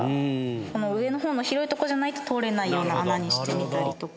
上の方の広いとこじゃないと通れないような穴にしてみたりとか。